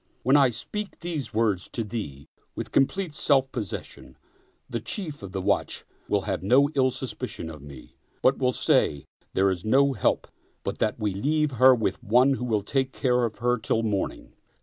When I speak these words to thee with complete self possession, the Chief of the watch will have no ill suspicion of me, but will say: There's no help but that we leave her with one who will take care of her till morning.